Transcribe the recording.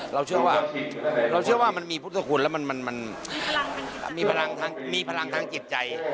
เราเชื่อว่ามันมีพุทธคุณแล้วมันมีพลังทางจิตใจ